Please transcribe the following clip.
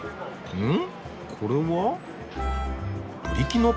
うん。